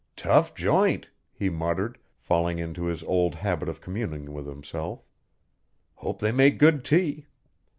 "Tough joint," he muttered, falling into his old habit of communing with himself. "Hope they make good tea."